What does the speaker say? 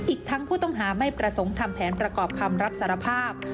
อีกทั้งผู้ต้องหาไม่ประสงค์ทำแผนประกอบคำรับสารภาพ